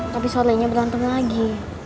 tapi solenya berantem lagi